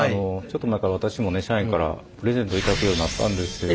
ちょっと前から私もね社員からプレゼントを頂くようになったんですよ。